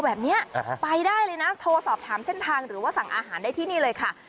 แบบนี้ไปได้เลยนะโทรสอบถามเส้นทางหรือว่าสั่งอาหารได้ที่นี่เลยค่ะ